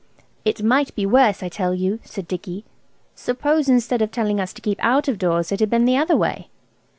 "It might be worse, I tell you," said Dicky. "Suppose instead of telling us to keep out of doors it had been the other way?"